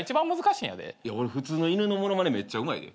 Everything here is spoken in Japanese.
俺普通の犬の物まねめっちゃうまいで。